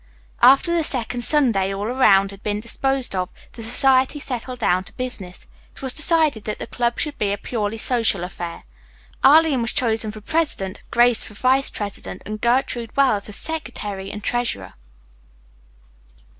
After the second sundae all around had been disposed of the society settled down to business. It was decided that the club should be a purely social affair. Arline was chosen for president, Grace for vice president and Gertrude Wells as secretary and treasurer.